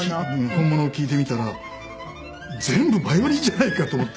本物を聴いてみたら全部バイオリンじゃないかと思って。